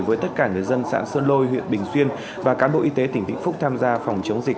với tất cả người dân xã sơn lôi huyện bình xuyên và cán bộ y tế tỉnh vĩnh phúc tham gia phòng chống dịch covid một mươi chín